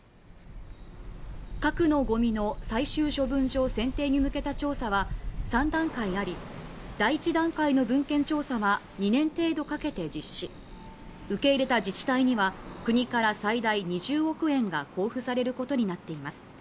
核のごみの最終処分場選定に向けた調査は３段階あり第１段階の文献調査は２年程度かけて実施受け入れた自治体には国から最大２０億円が交付されることになっています